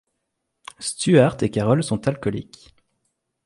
Stuart et Carol sont alcooliques.